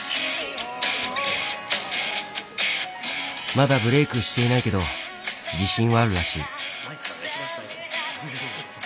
まだブレークしていないけど自信はあるらしい。